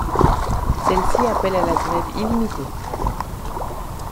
Celle-ci appelle à la grève illimitée.